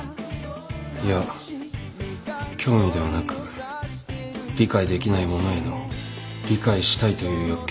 いや興味ではなく理解できないものへの理解したいという欲求